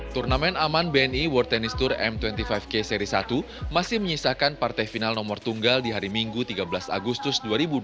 turnamen aman bni world tennis tour m dua puluh lima k series satu masih menyisakan partai final nomor tunggal di hari minggu tiga belas agustus dua ribu dua puluh